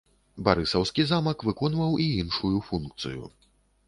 Барысаўскі замак выконваў і іншую функцыю.